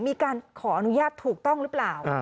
มีการขออนุญาตถูกต้องหรือเปล่า